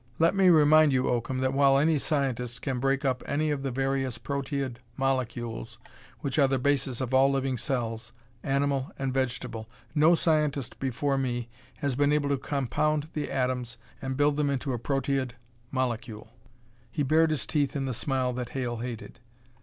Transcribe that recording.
"Let me remind you, Oakham, that while any scientist can break up any of the various proteid molecules which are the basis of all living cells, animal and vegetable, no scientist before me has been able to compound the atoms and build them into a proteid molecule." He bared his teeth in the smile that Hale hated.